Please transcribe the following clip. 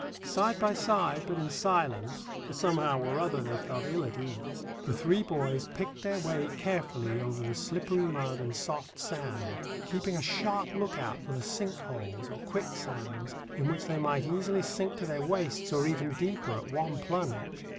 Side by side, but in silence—for somehow or other they felt ill at ease—the three boys picked their way carefully over the slippery mud and soft sand, keeping a sharp look out for the sink holes or quicksands, in which they might easily sink to their waists, or even deeper, at one plunge.